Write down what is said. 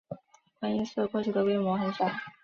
观音寺过去的规模很小。